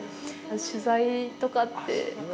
取材とかって。